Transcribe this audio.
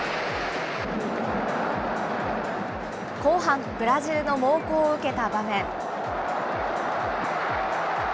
後半、ブラジルの猛攻を受けた場面。